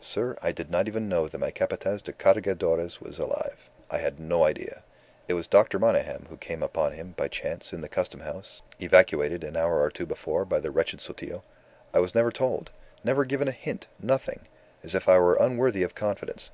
Sir, I did not even know that my Capataz de Cargadores was alive. I had no idea. It was Dr. Monygham who came upon him, by chance, in the Custom House, evacuated an hour or two before by the wretched Sotillo. I was never told; never given a hint, nothing as if I were unworthy of confidence.